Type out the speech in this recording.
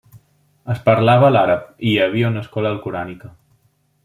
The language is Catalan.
Es parlava l'àrab i hi havia una escola alcorànica.